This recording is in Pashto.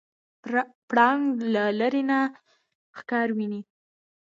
پړانګ له لرې نه ښکار ویني.